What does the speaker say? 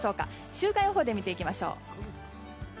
週間予報で見ていきましょう。